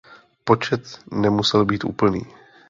Počet nemusel být úplný.